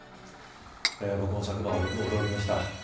僕も昨晩、驚きました。